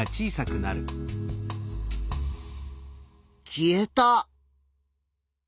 消えた。